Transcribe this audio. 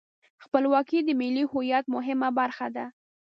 خپلواکي د ملي هویت مهمه برخه ده.